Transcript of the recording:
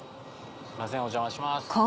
すいませんお邪魔します。